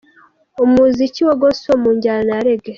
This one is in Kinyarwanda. umuziki wa Gospel mu njyana ya Reggae.